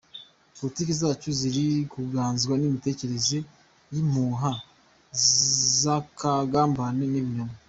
Politiki zacu ziri kuganzwa n’imitekerereze y’impuha z’akagambane n’ibinyoma.